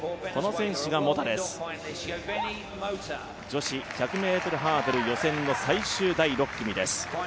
女子１００ｍハードル予選の最終第６組です。